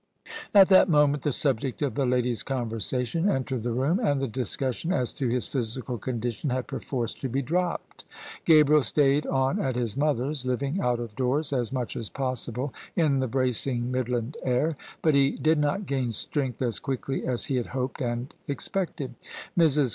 At that moment the subject of the ladies' conversation entered the room, and the discussion as to his physical condi tion had perforce to be dropped. Gabriel stayed on at his mother's, living out of doors as much as possible in the bracing Midland air: but he did not gain strength as quickly as he had hoped and expected. Mrs.